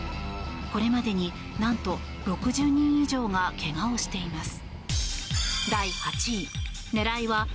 これまでになんと６０人以上が怪我をしています。